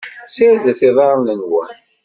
Ssiredet iḍarren-nwen.